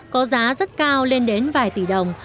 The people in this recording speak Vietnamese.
có giá rất cao lên đến vài tỷ đồng